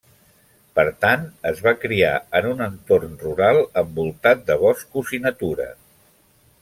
Per tant, es va criar en un entorn rural envoltat de boscos i natura.